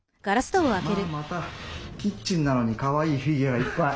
まあまたキッチンなのにかわいいフィギュアがいっぱい！